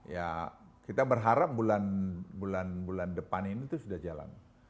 ya kita berharap bulan bulan depan ini itu sudah jalan